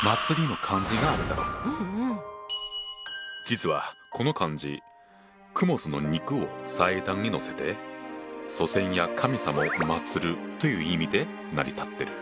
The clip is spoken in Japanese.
実はこの漢字供物の肉を祭壇に載せて祖先や神様を祭るという意味で成り立ってる。